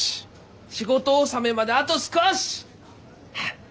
仕事納めまであと少し！